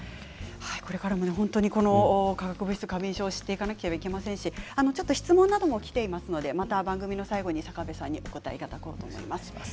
これからもこの化学物質過敏症を知っていかなければなりませんし質問などもきているのでまた番組の最後で坂部さんにお答えしていただこうと思います。